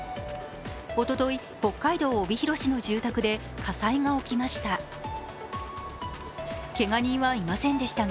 おととい、北海道帯広市の住宅で火災が起きました。